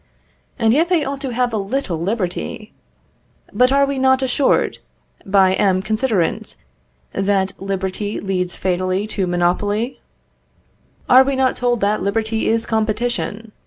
And yet they ought to have a little liberty! But are we not assured, by M. Considerant, that liberty leads fatally to monopoly? Are we not told that liberty is competition?